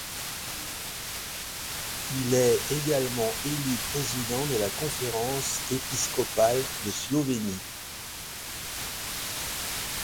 Il est également élu président de la conférence épiscopale de Slovénie.